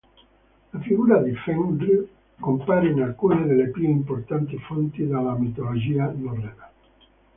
La figura di Fenrir compare in alcune delle più importanti fonti della mitologia norrena.